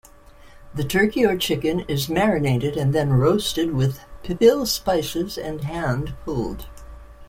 The turkey or chicken is marinated and then roasted with Pipil spices and hand-pulled.